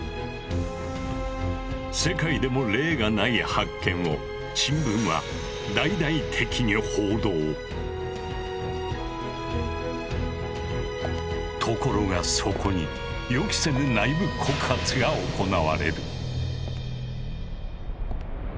世界でも例がない発見をところがそこに予期せぬ内部告発が行われる。